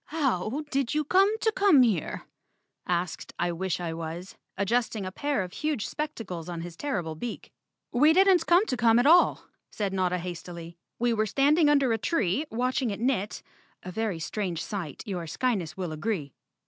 "How did you come to come here?" asked I wish I _ Chapter Ten was, adjusting a pair of huge spectacles on his ter¬ rible beak. "We didn't come to come at all," said Notta hastily. "We were standing under a tree, watching it knit—a very strange sight, your Skyness will agree."